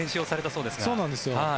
そうなんですよ。